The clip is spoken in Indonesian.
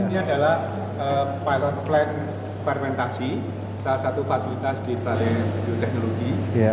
ini adalah pilot plan fermentasi salah satu fasilitas di balai bioteknologi